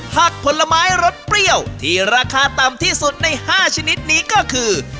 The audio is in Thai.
ผลไม้รสเปรี้ยวที่ราคาต่ำที่สุดใน๕ชนิดนี้ก็คือ